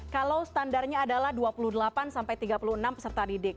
kalau standarnya adalah dua puluh delapan sampai tiga puluh enam peserta didik